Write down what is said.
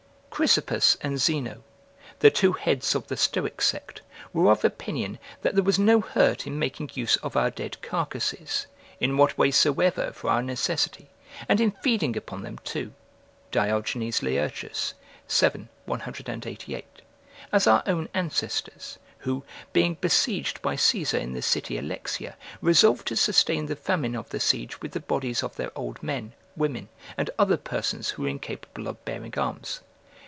Chrysippus and Zeno, the two heads of the Stoic sect, were of opinion that there was no hurt in making use of our dead carcasses, in what way soever for our necessity, and in feeding upon them too; [Diogenes Laertius, vii. 188.] as our own ancestors, who being besieged by Caesar in the city Alexia, resolved to sustain the famine of the siege with the bodies of their old men, women, and other persons who were incapable of bearing arms.